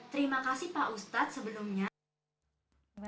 terima kasih pak ustadz sebelumnya